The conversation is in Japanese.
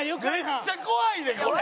めっちゃ怖いでこれ。